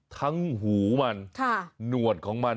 ทั้งหูมันหนวดของมัน